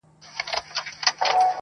نه تر ښار نه تر بازاره سو څوک تللای -